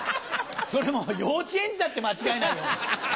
それもう幼稚園児だって間違えないよ！